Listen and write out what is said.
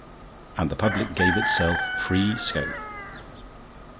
And the public gave itself free scope.